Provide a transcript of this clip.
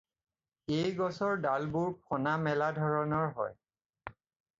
এই গছৰ ডালবোৰ ফনা মেলা ধৰণৰ হয়।